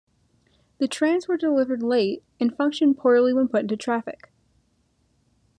The trams were delivered late and functioned poorly when put into traffic.